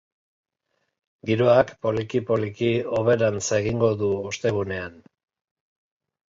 Giroak poliki-poliki hoberantz egingo du ostegunean.